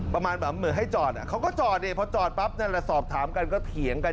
ประมาณแบบเหมือนให้จอดเขาก็จอดดิพอจอดปั๊บนั่นแหละสอบถามกันก็เถียงกัน